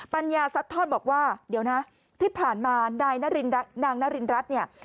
ปัญญาซัดทอดบอกว่าเดี๋ยวนะที่ผ่านมานายนางนารินรัฐเนี่ย